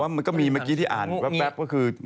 แต่มันก็มีเมื่อกี้ที่อ่านแป๊บ